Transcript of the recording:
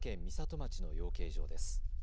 町の養鶏場です。